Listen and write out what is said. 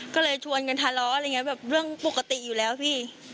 ก็เลยชวนกันทะเลาะเรื่องปกติอยู่แล้วพี่